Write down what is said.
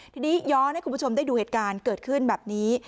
ทีนี้ย้อนให้คุณผู้ชมได้ดูเหตุการณ์เกิดขึ้นแบบนี้